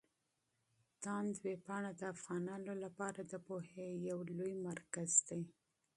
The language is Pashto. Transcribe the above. تاند ویبپاڼه د افغانانو لپاره د پوهې يو لوی مرکز دی.